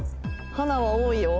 花は多いよ